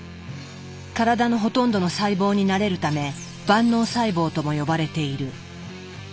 体のほとんどの細胞になれるため「万能細胞」とも呼ばれている。